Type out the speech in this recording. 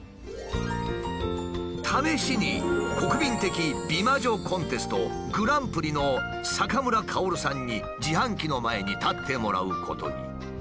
試しに国民的美魔女コンテストグランプリの坂村かおるさんに自販機の前に立ってもらうことに。